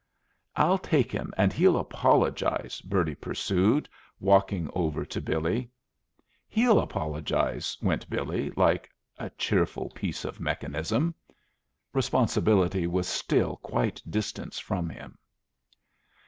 "I'll take him and he'll apologize," Bertie pursued, walking over to Billy. "He'll apologize," went Billy, like a cheerful piece of mechanism. Responsibility was still quite distant from him.